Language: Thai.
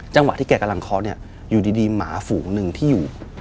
จังหวะที่แกกำลังเคาะเนี่ย